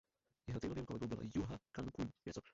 Jeho týmovým kolegou byl Juha Kankkunen.